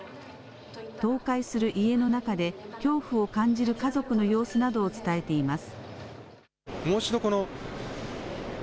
倒壊する家の中で恐怖を感じる家族の様子などを伝えています。